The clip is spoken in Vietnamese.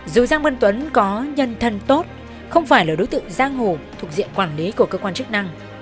dù giang văn tuấn có nhân thân tốt không phải là đối tượng giang hồ thuộc diện quản lý của cơ quan chức năng